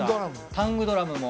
タングドラムも。